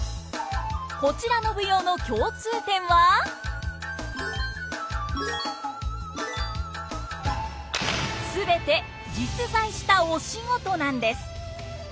こちらの舞踊の全て実在したお仕事なんです！